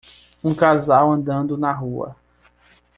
Um casal andando na rua